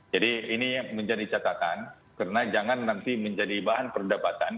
jadi ini menjadi catatan karena jangan nanti menjadi bahan perdapatan